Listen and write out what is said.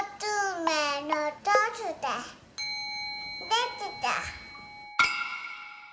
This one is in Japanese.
できた！